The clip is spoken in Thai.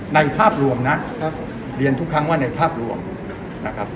ภาพรวมนะเรียนทุกครั้งว่าในภาพรวมนะครับ